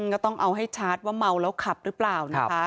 ก็ต้องเอาให้ชัดว่าเมาแล้วขับหรือเปล่านะคะ